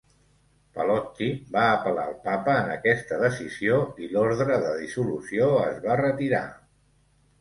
Pallotti va apel·lar al papa en aquesta decisió i l'ordre de dissolució es va retirar.